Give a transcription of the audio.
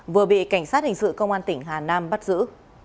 vừa bị cảnh sát hình sự công an tỉnh hà nam bắt giữ